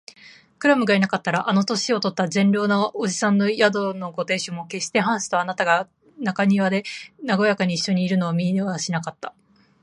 クラムがいなかったら、あの年とった善良な伯父さんの宿のご亭主も、けっしてハンスとあなたとが前庭でなごやかにいっしょにいるのを見はしなかった